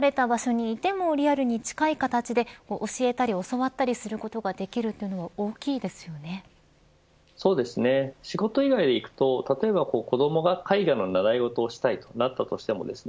離れた場所にいてもリアルに近い形で教えたり教わったりすることができるというのもそうですね、仕事以外でいくと例えば子どもが絵画の習い事をしたいとなったとしてもですね